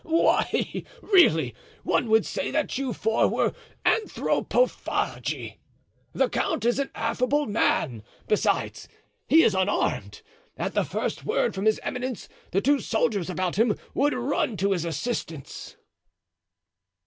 why, really, one would say that you four were anthropaphagi! The count is an affable man; besides, he is unarmed; at the first word from his eminence the two soldiers about him would run to his assistance."